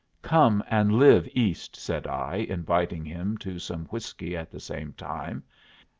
"Come and live East," said I, inviting him to some whiskey at the same time.